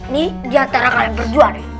nih diantara kalian berdua nih